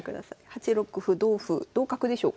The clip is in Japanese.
８六歩同歩同角でしょうか？